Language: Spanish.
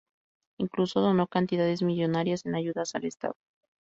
Incluso donó cantidades millonarias en ayudas al Estado.